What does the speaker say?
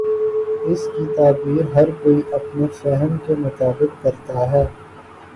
اس کی تعبیر ہر کوئی اپنے فہم کے مطابق کر تا ہے۔